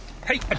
はい。